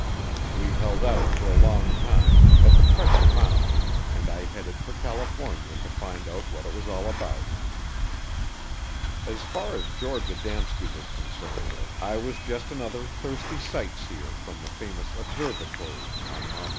We held out for a long time but the pressure mounted and I headed for California to find out what it was all about. As far as George Adamski was concerned I was just another thirsty sight seer from the famous observatory on Mt.